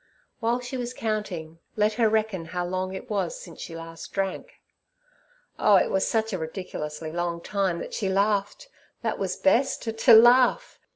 While she was counting, let her reckon how long it was since she last drank? Oh, it was such a ridiculously long time that she laughed. That was best, to laugh!